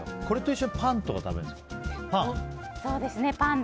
これと一緒にパンとか食べるんですか？